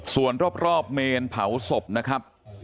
ส่วนรอบเมนเผาศพนะครับ